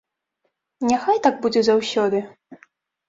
Няхай так будзе заўсёды.